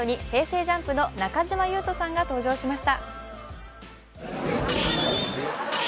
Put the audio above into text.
ＪＵＭＰの中島裕翔さんが登場しました。